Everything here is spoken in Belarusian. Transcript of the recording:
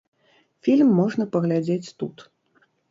Фільм можна паглядзець тут.